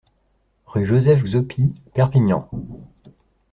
Rue Joseph Xaupi, Perpignan